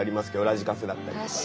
ラジカセだったりとか。